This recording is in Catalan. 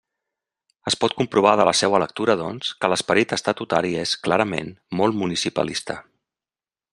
Es pot comprovar de la seua lectura, doncs, que l'esperit estatutari és, clarament, molt municipalista.